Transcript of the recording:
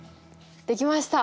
できました！